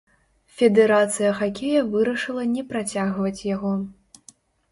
Федэрацыя хакея вырашыла не працягваць яго.